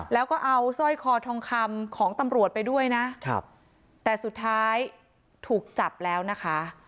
แล้วก็เอาสร้อยคอทองคำของตำรวจไปด้วยนะครับแต่สุดท้ายถูกจับแล้วนะคะ